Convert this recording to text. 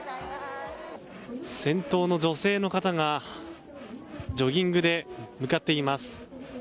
先頭の女性の方がジョギングで向かっています。